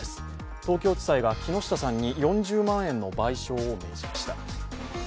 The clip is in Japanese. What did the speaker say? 東京地裁が木下さんに４０万円の賠償を命じました。